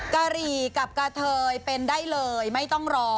กะหรี่กับกะเทยเป็นได้เลยไม่ต้องรอ